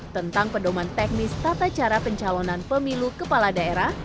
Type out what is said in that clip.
tentang pedoman teknis tata cara pencalonan pemilu kepala daerah